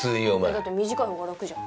だって短い方が楽じゃん。